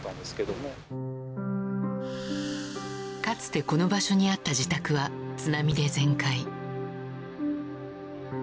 かつてこの場所にあった自宅は津波で全壊。